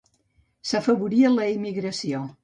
S'afavoria l'emigració.